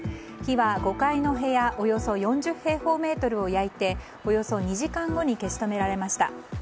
火は５階の部屋およそ４０平方メートルを焼いておよそ２時間後に消し止められました。